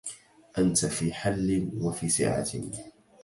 أنت في حل وفي سعة